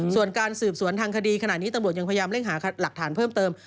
ส่วนการสืบสวนทางคดีขณะนี้ตำรวจยังพยายามเร่งหาหลักฐานเพิ่มเติม